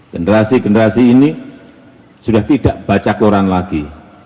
generasi generasi ini sudah tidak baca koran lagi